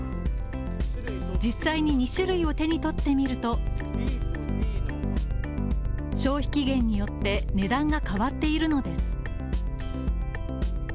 実際に２種類を手に取ってみると消費期限によって値段が変わっているのです。